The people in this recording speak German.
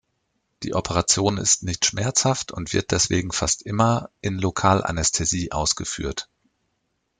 Die Operation ist nicht schmerzhaft und wird deswegen fast immer in Lokalanästhesie ausgeführt.